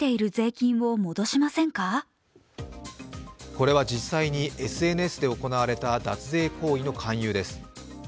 これは実際にＳＮＳで行われた脱税行為の勧誘です。